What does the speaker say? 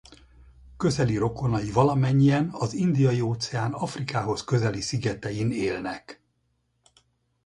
Közeli rokonai valamennyien az Indiai-óceán Afrikához közeli szigetein élnek.